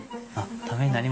ためになりました。